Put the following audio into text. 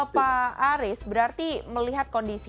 pak aris berarti melihat kondisi